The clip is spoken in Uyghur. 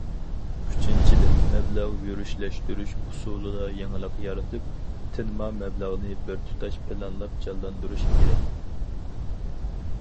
ئۈچىنچىدىن، مەبلەغ يۈرۈشلەشتۈرۈش ئۇسۇلىدا يېڭىلىق يارىتىپ، تىنما مەبلەغنى بىر تۇتاش پىلانلاپ جانلاندۇرۇش كېرەك.